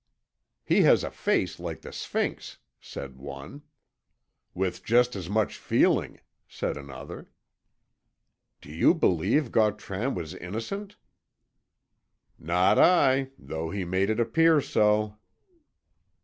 "He has a face like the Sphynx," said one. "With just as much feeling," said another. "Do you believe Gautran was innocent?" "Not I though he made it appear so."